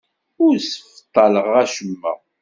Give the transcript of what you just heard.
Ur ssebṭaleɣ acemma.